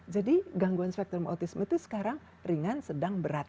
jadi gangguan spectrum autism itu sekarang ringan sedang berat